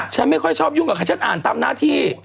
ฉันไม่ค่อยชอบยุ่งกับใครฉันอ่านตามหน้าที่